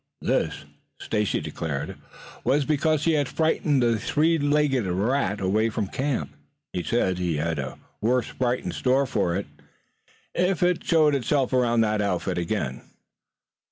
This, Stacy declared, was because he had frightened the three legged rat away from camp. He said he had a worse fright in store for it if it showed itself around that outfit again.